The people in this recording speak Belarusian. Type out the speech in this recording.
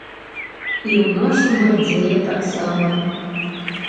І ў нашым аддзеле таксама.